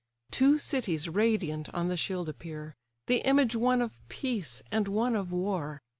Two cities radiant on the shield appear, The image one of peace, and one of war.